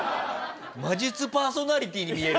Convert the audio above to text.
魔術パーソナリティーに見える。